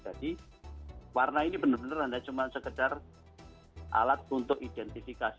jadi warna ini benar benar hanya sekedar alat untuk identifikasi